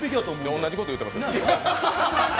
同じこと言うてますよ。